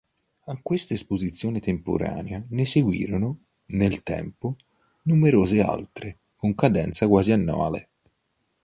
A questa esposizione temporanea ne seguirono, nel tempo, numerose altre, con cadenza quasi annuale.